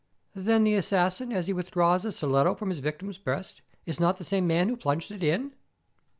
"Then the assassin as he withdraws the stiletto from his victim's breast is not the same man who plunged it in."